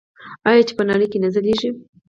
آیا چې په نړۍ کې نه ځلیږي؟